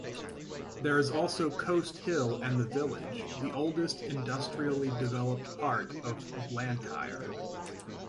There is also Coatshill and the village, the oldest industrially developed part of Blantyre.